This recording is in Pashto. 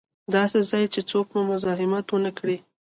داسې ځای چې څوک مو مزاحمت و نه کړي.